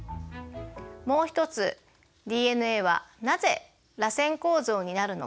もう一つＤＮＡはなぜらせん構造になるのか。